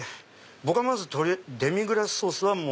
僕はまずデミグラスソース。